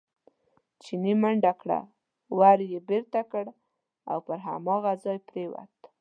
چیني منډه کړه، ور یې بېرته کړ او پر هماغه ځای پرېوت.